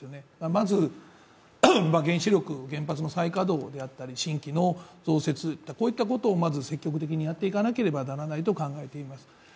まず原子力、原発の再稼働であったり新規の増設をまず積極的にやっていかなければならないと考えています。